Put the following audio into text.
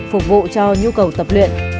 phục vụ cho nhu cầu tập luyện